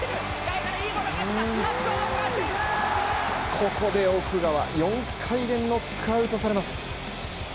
ここで奥川は４回でのノックアウトされます。